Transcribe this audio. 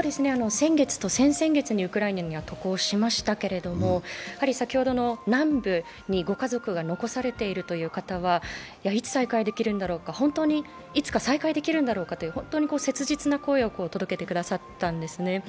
先月と先々月にウクライナには渡航しましたけれども、南部にご家族が残されているという方は、本当にいつ再会できるんだろうかという本当に切実な声を届けてくださったんですね。